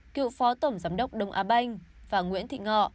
cựu phó tổng giám đốc đông á banh và nguyễn thị ngọ